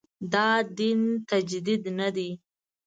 دا دین تجدید نه دی.